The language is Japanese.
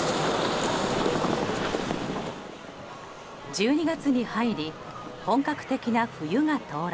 １２月に入り本格的な冬が到来。